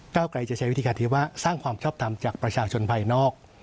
เก้าไกรจะใช้วิธีการที่ว่าสร้างความชอบทำจากประชาชนภายนอก